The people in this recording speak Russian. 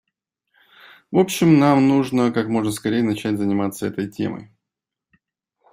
В общем, нам нужно как можно скорее начать заниматься этой темой.